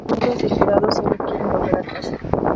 Los otros miembros del jurado solo quieren volver a casa.